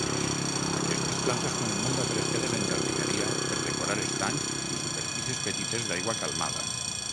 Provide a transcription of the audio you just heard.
Aquestes plantes són molt apreciades en jardineria per decorar estanys i superfícies petites d'aigua calmada.